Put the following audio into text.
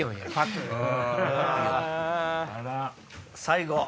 最後。